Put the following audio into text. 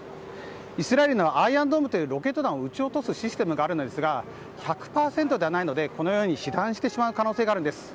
イスラエルにはアイアンドームというロケット弾を撃ち落とすシステムがあるのですが１００％ではないのでこのように被弾してしまう可能性があるんです。